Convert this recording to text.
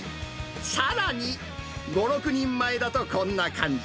さらに、５、６人前だとこんな感じ。